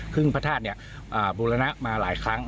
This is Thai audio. พระธาตุบูรณะมาหลายครั้ง